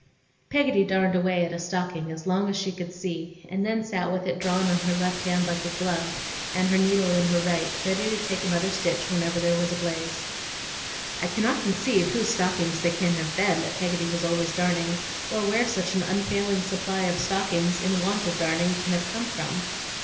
Peggotty darned away at a stocking as long as she could see, and then sat with it drawn on her left hand like a glove, and her needle in her right, ready to take another stitch whenever there was a blaze. I cannot conceive whose stockings they can have been that Peggotty was always darning, or where such an unfailing supply of stockings in want of darning can have come from.